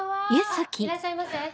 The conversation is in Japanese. あっいらっしゃいませ。